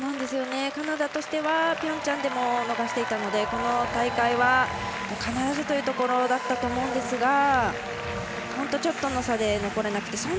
カナダとしてはピョンチャンでも逃していたのでこの大会は必ずというところだったと思うんですが本当、ちょっとの差で残れなくて。